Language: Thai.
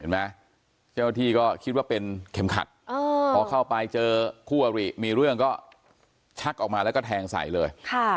เจ้าหน้าที่ก็คิดว่าเป็นเข็มขัดพอเข้าไปเจอคู่อริมีเรื่องก็ชักออกมาแล้วก็แทงใส่เลย